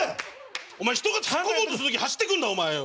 お前人が突っ込もうとする時走ってくんなお前よ。